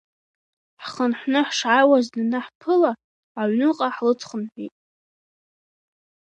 Ҳхынҳәны ҳшаауаз данаҳԥыла, аҩныҟа ҳлыцхынҳәит.